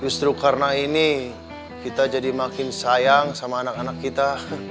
justru karena ini kita jadi makin sayang sama anak anak kita